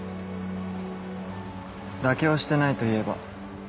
妥協してないと言えば。